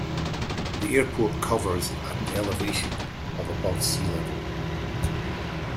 The airport covers at an elevation of above sea level.